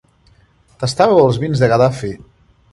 Tastàveu els vins de Gaddafi.